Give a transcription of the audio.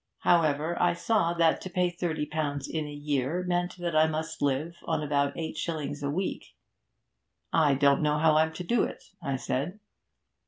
However, I saw that to pay thirty pounds in a year meant that I must live on about eight shillings a week. "I don't know how I'm to do it," I said.